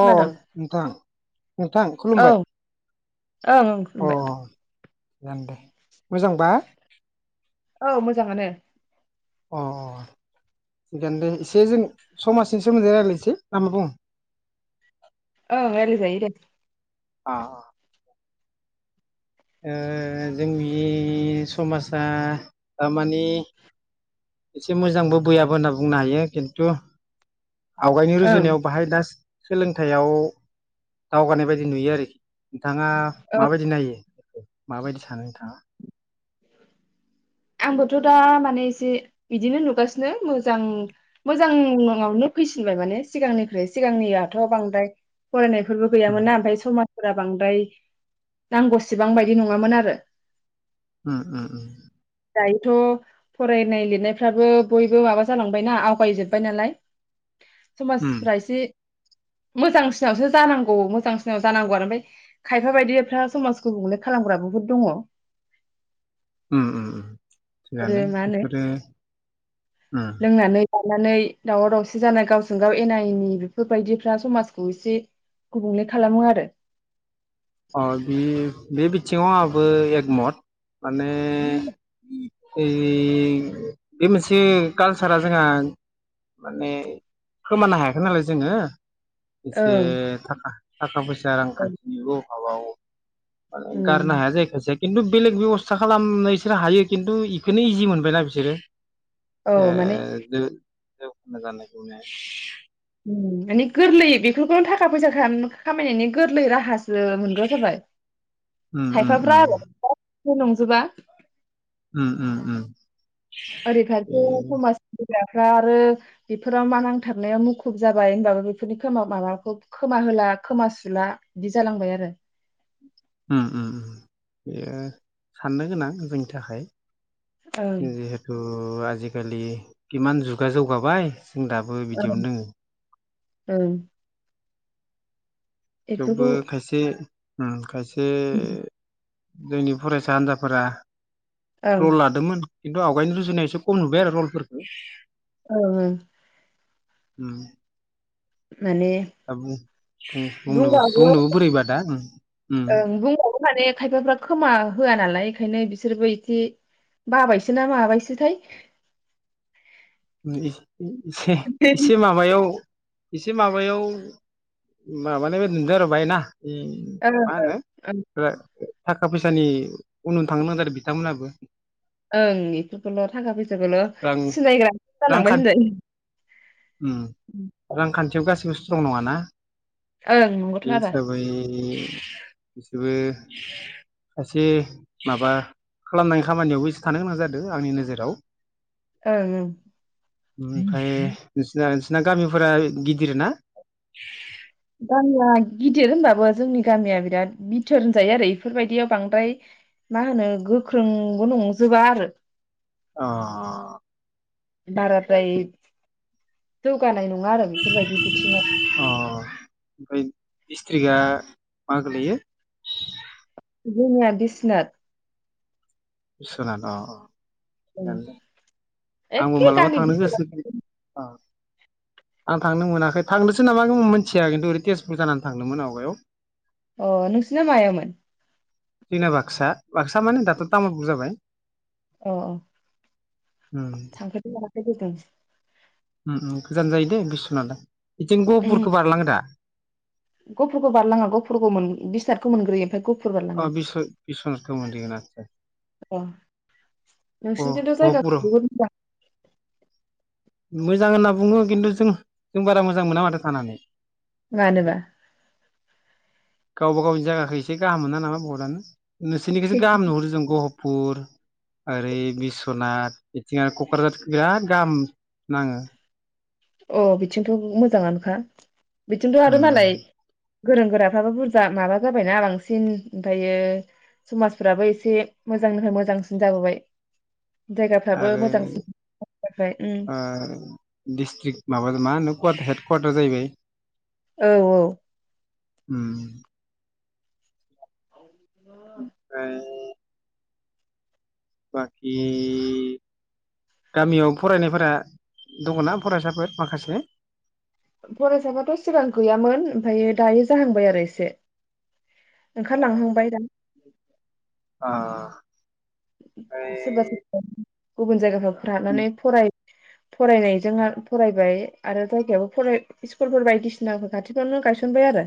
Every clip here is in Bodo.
अ नोंथां नोंथां औ खुलुमबाय। ओं ओं खुलुमबाय। जोन दे मोजांबा? औ मोजाङानो अ अ थिगानो दे एसे जों समाजनि सोमोन्दै रायलायनोसै नामा बुङो? औ रायलाय जायो दे। अ ओ जोंनि समाजा थारमानि एसे मोजांबो बैयाबो होनना बुंनो हायो खिन्थु। आवगायनि ओं रुजुनायाव बाहाय दा सोलोंथाइयाव दावगानाय बायदि नुयो आरोखि नोंथाङा ओं माबायदि नायो माबायदि सानो नोंथाङा? आंबोथ' दा माने एसे बिदिनो नुगासिनो मोजां मोजांआवनो फैसिनबाय माने सिगांनिख्रु सिगांनियाथ' बांद्राय फरायनाय। फोरबो उम गैयामोना ओमफ्राय समा फोरा बांद्राय नांगौसेबां बायदि नङामोन आरो उम उम उम दायोथ' फरायनाय लिरनायफ्राबो बयबो माबा जालांबायना आवगायजोबबाय नालाय उम समासफोरा एसे मोजांसिनावसो जानांगौ मोजांसिनाव जानांगौ आरो ओमफाय खायफा बायदिफ्रा समाजखौ गुबुंले खालामग्रा बुहुद दङ। उम उम आरो थिगनो मा होनो बेफोरो लानानै दावराव दावसि जानाय गावजों गाव एना एनि बेफोरबायदिफ्रा समाजखौ एसे गुबुंले खालामो आरो अ बे बे बिथिङाव आंहाबो एक मथ माने बे बे मोनसे कालसारा जोंहा माने खोमानो हायाखै नालाय जोङो एसे ओं थाखा थाखा फैसा रां ओं कान्थिनिउ अबाव माने गारनो उम हाया जायो खायसे खिन्थु बेलेग बेबस्था खालामनो बिसोरो हायो खिन्थु बेखौनो इजि मोनबायना बिसोरो औ ओ माने दो जौ [inaudible] उम माने गोरलै बेफोरखौ थाखा फैसा खाला-खामायनायनि गोरलै राहासो जो मोनग्रा जाबाय उम उम खायफाब्रा उम [unintelligible] बेबो नंजोबा उम उम उम बे रैखाखौ समाजनि फानग्राफ्रा आरो बेफोराव मा नांथाबनायाव मुखुब जाबाय होनबाबो बेफोरनि खोमा माबाखौ खोमा होला खोमा सुला बिदि जालांबाय आरो ओ उम उम बेयो साननो गोनां जोंनि थाखाय ओं जिहेतु आजि आजिखालि इमान जुगा जौगाबाय जों दाबो ओं बिदियावनो दोङो ओं थेवबो बेफोरखौ खायसे उम खायसे जोंनि फरायसा हान्जाफोरा ओं रल लादोंमोन खिन्थु आवगायनो रुजुनाय एसे खम नुबाय आरो रलफोरखो। ओं ओं उम माने बुं बुंनो बुंबाबो बुंनोबो बोरैबा दा ओं बुंबाबो माने खायफाफ्रा खोमा होआ नालाय ओंखायनो बिसोरबो इदि बाबायसोना माबायसोथाय ओम एसे एसे एसे माबायाव एसे माबायाव माबानाय नुदो आरो बाय ना ओम ओं मा ओं होनो थाखा फैसानि उन उन थांनो नागिरो बिथांमोनहाबो ओं बेफोरखौल थाखा फैसाखौल रां सिनायग्रा जालांबाय रांखान होनदो खान्थियाव गासिबो स्त्रं नङा ना ओं नंगौथ' आरो बिसोबो खायसे माबा खालामनायनि खामानियावबो एसे थानो गोनां जादों आंनि नोजोराव ओं ओं ओमफ्राय नोंसिना सिना गामिफोरा गिदिर ना? गामिया गिदिर होनबाबो जोंनि गामिया बिराद बिथोर होनजायो आरो इफोरबायदियाव बांद्राय मा होनो गोख्रोंबो नंजोबा आरो अ बाराद्राय जौगानाय नं अ ओमफाय दिसथ्रिगा मा गोलैयो जोंनिया बिसनाथ बिस्वनाथ‌ अ अ ओं थिगानो दे। आंबो एखे मालाबा गामि थांनो गोसो जायो आं थांनो मोनाखै थांनोसो नामा मिथिया खिन्थु ओरै तेजपुर जानानै थांदोंमोन आवगायाव अ नोंसोरना मायावमोन? जोंना बाक्सा बाक्सा माने दाथ' तामुलपुर जाबाय। औ थांफेरनो मोनाखै दे दस [unintelligible] उम उम गोजान जायो दे बिस्वनाथा बिथिं गहपुरखौ बारलाङो दा गहफुरफोरखौ बारलाङा गहफुरखौ मोन बिस्वनाथखौ मोनग्रोयो ओमफ्राय गहफुर अ बारलाङो। बिस्व बिस्वनाथखौ मोनहैगोन आदसा औ [unintelligible] नोंसोरथिथ जायगा गहपुर [unintelligible] मोजां होनना बुङो खिन्थु जों जों बारा मोजां मोना माथो थानानै। मानोबा गावबा गावनि जायगाखौ एसे गाहाम मोना नामा बहतानो नोंसोरनिखौसो गाहाम नुहरो जों गह पुर ओरै बिस्वनाथ बिथिं आरो क'क्राझार बिराद गाहाम नाङो। अ बिथिंथ' मोजाङानोखा। बिथिंथ' उम आरो मालाय गोरों गोराफ्राबो बुरजा माबा जाबायना बांसिन ओमफ्रायो समाजफोराबो एसे मोजांनिफ्राय मोजांसिन जाबोबाय। जायगाफ्राबो आरो मोजांसिन जाबाय उम ओ डिस्ट्रिक माबा मा होन कुवाट हेड कवाटार जाहैबाय। औ औ उम औ ओमफ्राय बाखि गामियाव फरायनायफोरा दङना फरायसाफोर माखासे? फरायसाफाथ' सिगां गैयामोन ओमफ्रायायो दायो जाहांबाय आरो एसे ओंखारलांहांबाय दा ओ ओमफाय सोरबा गुबुन जायगा फाव रानानै फराय फरायनायजों ओ फरायबाय आरो जायगायाबो फ स्कुलफोर बायदिसिनाफोर खाथिफ्रावनो गायसनबाय आरो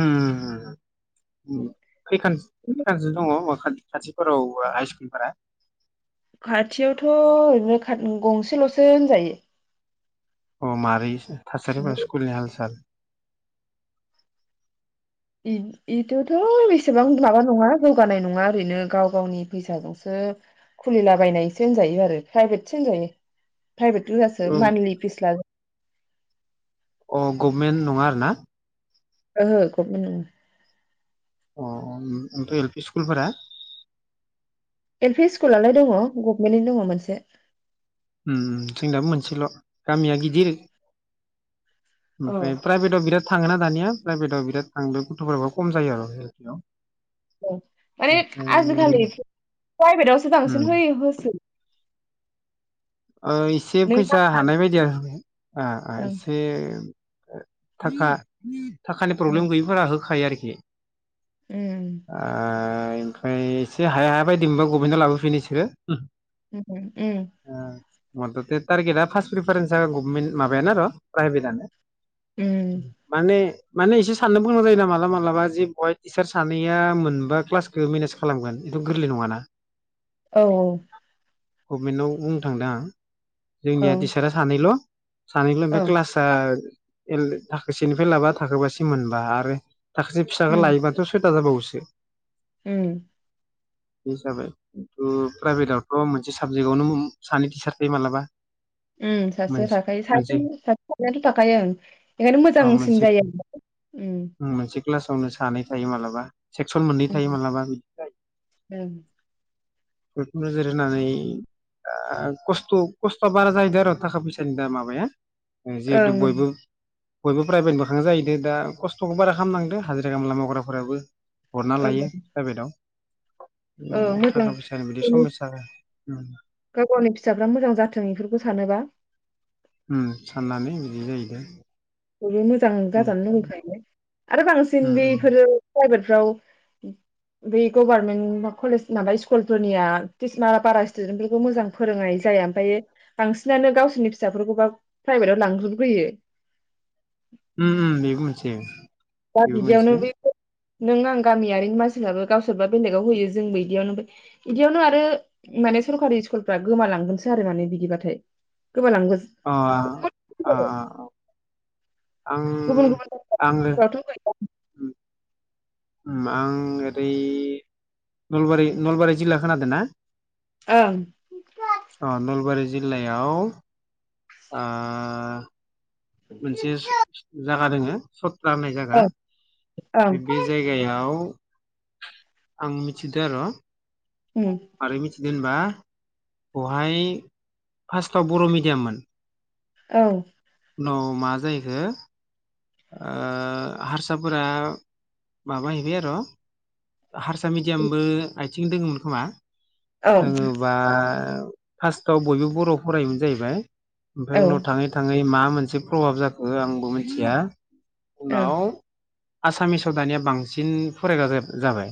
उम हम हम खैखानस-खैखानसो दङ माख खाथिफोराव हाइ स्कुलफोरा खाथियावथ' ओरैनो खा गंसेल'सो होनजायो। अ मारै सोल थासारिफोरा स्कुलनि हाल साल इद-इदोथ' बेसेबां माबा नङा जौगानाय नङा ओरैनो गाव गावनि फैसाजोंसो खुलिलाबायनायसो होनजायो आरो प्राइभेटसो होनजायो। प्राइभेटगोजासो मान्थलि फिस लाजो अ गभमेन्ट नङा आरोना ओहो गभमेन्ट नङा। अ अ उम उम ओमफाय एल पि स्कुलफोरा एल पि स्कुलालाय दङ गभनमेन्टनि दङ मोनसे जोंनाबो मोनसेल' गामिया गिदिर औ ओमफ्राय प्राइभेट अ बिराद थाङोना दानिया प्राइभेटआव बिराद थांदो गथ'फोराबो खम जायो आरो जखियाव। औ माने आजिखालि प्राइभेटावसो बांसिन उम होयो होस ओ एसे नों फैसा हानाय बायदि आरो ओ ओ ओं एसे थाखा थाखानि ओं प्रब्लेम गैयैफोरा हो होखायो आरोखि उम ओ ओमफ्राय एसे हाया हाया बायदि मोनबा गभमेन्टआव लाबोफिनो इसोरो। ओ उम ओम मथथे टारगेटआ फार्स्ट रिफारेन्सआ गभमेन्ट माबायानो आरो प्राइभेटआनो उम माने माने एसे साननो बुंनो जायोना मालाबा मालाबा जे बहाय टिचार सानैया मोनबा क्लासखौ मेनेज खालामगोन एथ' गोरलै नङाना औ औ गभमेन्टआव बुंनो थांदों आं औ जोंनिया टिसारा सानैल' सानैमोन ओमफाय औ क्लासा थाखोसेनिफ्राय लाबा थाखोबासि मोनबा आरो थाखोसे फिसाखौ लायोबाथ' स [unintelligible] बावोसो उय बे जाबाय उम प्राइभेटआवथ' मोनसे साबजेक्टआवनो सानै टिचार बे मालाबा उम सासेयाव मोनसे थाखायो सासे मोनसे सानैथ' थाखायो ओं ओंखायनो मोजांसिन जायो‌‌ आरो‌ना‌ ओम मोनसे क्लासावनो सानै थायो मालाबा। सेक्सन मोननै उम थायो मालाबा बिनिफ्राय ओं नोजोर होनानै ओ दा खस्थ' खस्थ'आ बारा जाहैदों आरो थाखा फैसानि दा माबाया। जिहेथु ओं बयबो बयबो प्राइभेट बोखां जाहैदों दा खस्थ'खौ बारा खालामनांदो हाजिरा खामला मावग्राफोराबो हरना ओं लायो प्राइभेटआव ओं मोजां थाखा फैसा बिदि समयसा ओं गाव गावनि फिसाफ्रा मोजां जाथों बेफोरखौ सानोबा ओम साननानै बिदि जाहैदों बयबो मोजां जाजानो लुगैखायो। आरो उम बांसिन बेफोरो प्राइभेट बेफ्राव बै गभारनमेन्ट कलेज माबा स्कुलफोरनिया टिचमारा बारा स्टुदेन्त फोरखौ मोजां फोरोंनाय जाया ओमफायो बांसिनानो गावसोरनि फिसाफोरखौबा प्राइभेटाव लांज्रोबग्रोयो। उम उम बेबो मोनसे दा बेबो बिदियावनो मोनसे बैफोर नों आं गामियारिनि मानसिफ्राबो गावसोरबा बेलेगाव होयो जोंबो इदियावनो इदियावनो आरो माने सरकारि स्कुलफ्रा गोमालांगोनसो आरो माने बिदिबाथाय गोमा अ अ लांगोन आं गुबुन गुबुन [unintelligible] उम आं ओरै नलबारि नलबारि जिल्ला खोनादों ना ओं अ नलबारि जिल्लायाव आ मोनसे जा [unintelligible] खालामनाय जायगा ओं ओं बे जायगायाव आं मिथिदों आरो उम जेनेबा बेहाय फार्स्टआव बर' मिडियाममोन औ उनाव मा जाहैखो आ हारसाफोरा माबाहैबाय आर' हारसा मिडियामबो आयथिं दोङोमोन खोमा औ दोङोबा फास्ट आव बयबो बर'आव फरायोमोन जाहैबाय ओमफाय औ उनाव थाङै थाङै मा मोनसे प्रभाब जाखो आंबो मिथिया ओ उनाव आसामिसाव दानिया बांसिन फरायग्रा जाबाय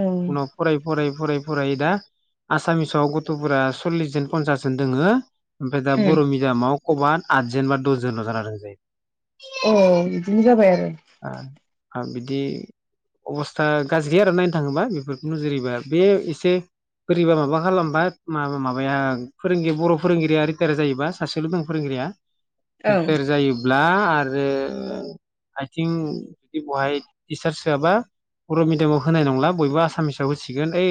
ओं उनाव फरायै फरायै फराय फरायै दा आसामिसाव गथ'फोरा सल्लिस जोन पनसास जन दोङो ओमफाय दा बर' अ मिडियामाव आदजोन बा दसजोनल' जाना दंजाहैबाय औ इदिनो जाबाय आरो बिदि अबस्था गाज्रि आरो नायनो थाङोबा बेफोरखौ नोजोर होयोबा बे एसे बोरैबा माबा खालामबा माबाया फोरोंगिरि बर' फोरोंगिरिया रिटायार जायोबा सासेल' दं फोरोंगिरिया ओं रिटायार जायोब्ला आरो आरो आइथिं जुदि बहाय टिचार्स होआबा बर' मिडियामाव होनाय नंला बयबो आसामामिसाव होसिगोन ओइ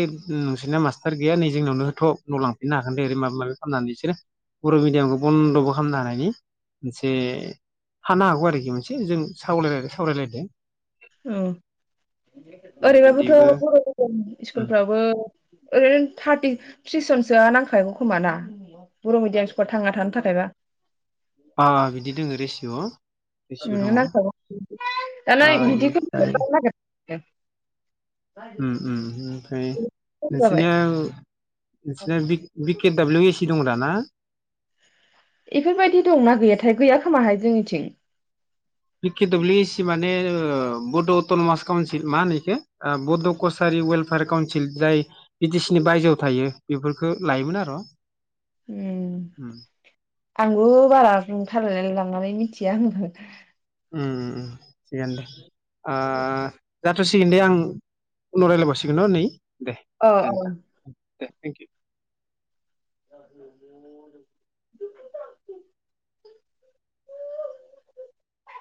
नोंसोरना मास्टार गैया नै जोंनियावनो होथ' न' लांफिननो हागोन दे ओरै माबा माबि खालामनानै बिसोरो बर' मिडियामखौ बन्द'बो खालामनो हानायनि मोनसे हानो हागौ आरोखि मोनसे जों साव सावरायलायदों औ बिदिबो ओरैबाबोथ'' [unintelligible] स्कुलफ्रावबो ओरैनो थार्टि थ्रिस जनसोआ नांखागागौ खोमाना बर' मिडियाम स्कुलाव थांना थानो थाखायबा अ बिदि दङो रेसिय' उम नांखागौ [unintelligible] नों बिदिखौ ओमफ्राय ए उम उम ओमफ्राय जाबाय नोंसिनिया नोंसिनिया बिद बिद के दाब्लिउ एसि दं दा ना? इफोरबायदि दंना गैयाथाय गैया खोमाहाय जोंनिथिं। बि‌ के दाब्लिउ एसि माने माने ओ बड अटन'मास काउन्सिल मा होनो इखो बड' कसारि वेलफेयार काउन्सिल जाय बिटिसि नि बायजोआव थायो बेफोरखो लायोमोन आर'। उम आंबो बारा रोंथारलायलां नानै मिथिया आंबो। उम उम थिगानो दे ओ जाथसिगोन दे आं उनाव रायलायबावसिगोन न' नै दे औ दे औ नोंथां दे थेंक इउ [unintelligible]